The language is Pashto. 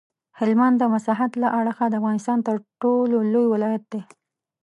هلمند د مساحت له اړخه د افغانستان تر ټولو لوی ولایت دی.